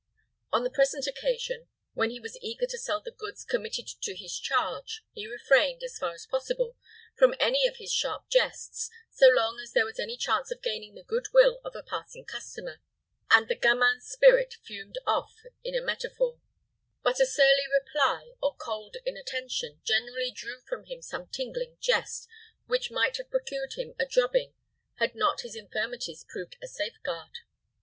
On the present occasion, when he was eager to sell the goods committed to his charge, he refrained, as far as possible, from any of his sharp jests, so long as there was any chance of gaining the good will of a passing customer, and the gamin spirit fumed off in a metaphor: but a surly reply, or cold inattention, generally drew from him some tingling jest, which might have procured him a drubbing had not his infirmities proved a safeguard.